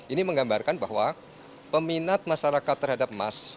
ini menggambarkan bahwa peminat masyarakat terhadap emas